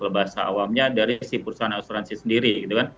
bahasa awamnya dari si perusahaan asuransi sendiri